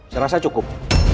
saya rasa cukup